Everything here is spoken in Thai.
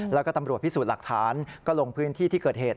แล้วก็ตำรวจพิสูจน์หลักฐานก็ลงพื้นที่ที่เกิดเหตุ